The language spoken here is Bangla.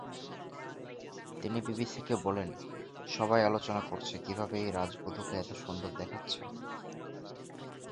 তিনি বিবিসিকে বলেন, সবাই আলোচনা করছে কীভাবে রাজবধূকে এত সুন্দর দেখাচ্ছে।